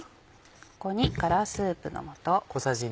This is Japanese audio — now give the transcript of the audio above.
ここにガラスープの素。